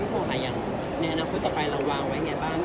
หูหูหายังในอนาคตต่อไปเราวางไงบ้าง